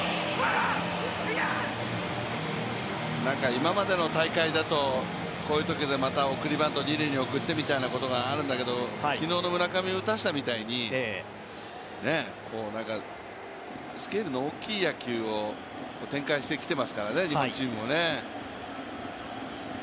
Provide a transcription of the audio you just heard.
今までの大会だとこういうときに送りバントで二塁に送ってみたいなことがあるんだけど昨日の村上に打たせたみたいに、スケールの大きい野球を展開してきていますからね、日本チームもね。